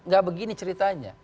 gak begini ceritanya